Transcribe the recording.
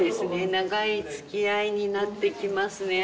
長いつきあいになってきますね。